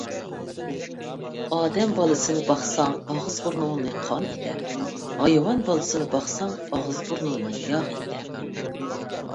ئادەم بالىسىنى باقساڭ ئاغزى-بۇرنۇڭنى قان ئېتەر، ھايۋان بالىسىنى باقساڭ ئاغزى-بۇرنۇڭنى ياغ ئېتەر.